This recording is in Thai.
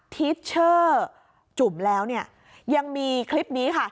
ทิชเชอร์จุ่มแล้วเนี่ยยังมีคลิปนี้ค่ะ